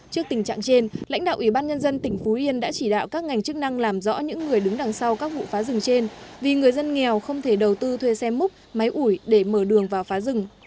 trước tình trạng trên lãnh đạo ủy ban nhân dân tỉnh phú yên đã chỉ đạo các ngành chức năng làm rõ những người đứng đằng sau các vụ phá rừng trên vì người dân nghèo không thể đầu tư thuê xe múc máy ủi để mở đường vào phá rừng